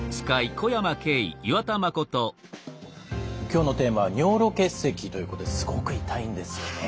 今日のテーマは尿路結石ということですごく痛いんですよね。